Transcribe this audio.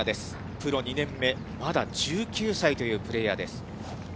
プロ２年目、まだ１９歳というプレーヤーです。